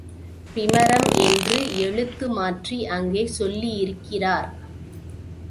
பிமரம் என்று எழுத்து மாற்றி அங்கே சொல்லியிருக்கிறார்.